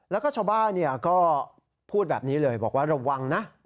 แล้วก็ชาวบ้านก็พูดแบบนี้เลยบอกว่าระวังนะ